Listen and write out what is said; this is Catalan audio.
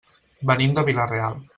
Venim de Vila-real.